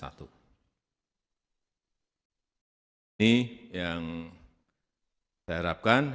ini yang saya harapkan